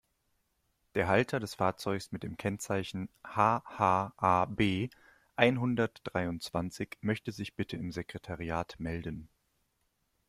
Der Halter des Fahrzeugs mit dem Kennzeichen HH-AB-einhundertdreiundzwanzig möchte sich bitte im Sekretariat melden.